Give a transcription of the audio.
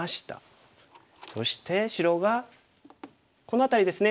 そして白がこの辺りですね